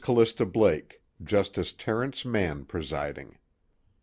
Callista Blake_; Justice Terence Mann presiding.